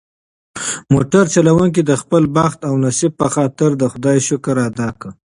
موټر چلونکي د خپل بخت او نصیب په خاطر د خدای شکر ادا کړ.